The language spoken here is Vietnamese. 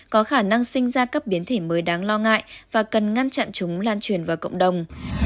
có khả năng sinh ra các biến thể mới đáng lo ngại và cần ngăn chặn chúng lan truyền vào cộng đồng